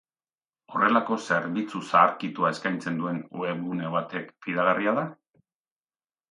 Horrelako zerbitzu zaharkitua eskaintzen duen webgune batek fidagarria da?